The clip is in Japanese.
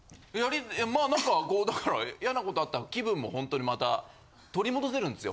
まあなんかやなことあったら気分もほんとにまた取り戻せるんですよ。